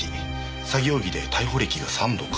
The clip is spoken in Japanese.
詐欺容疑で逮捕歴が３度か。